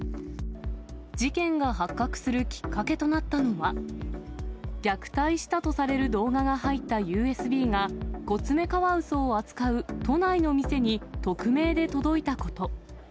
事件が発覚するきっかけとなったのは、虐待したとされる動画が入ったＵＳＢが、コツメカワウソを扱う都内の店に匿名で届いたこと。